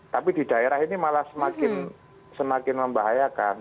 tapi di daerah ini malah semakin membahayakan